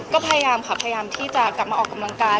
ก็พยายามค่ะพยายามที่จะกลับมาออกกำลังกาย